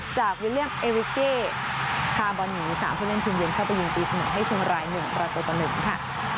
จากวิลเลี่ยมเอวิเก่พาบอลหนีสามผู้เล่นทีมเย็นเข้าไปยืนตีเสมอให้เชียงรายเหนื่องประตูกันหนึ่งค่ะ